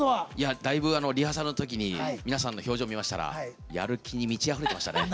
だいぶ、リハーサルの時皆さんの表情を見ましたらやる気に満ちあふれてましたね。